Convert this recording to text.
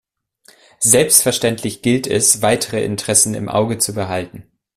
Selbstverständlich gilt es, weitere Interessen im Auge zu behalten.